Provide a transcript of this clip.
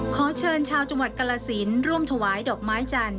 ขอเชิญชาวจังหวัดกรสินร่วมถวายดอกไม้จันท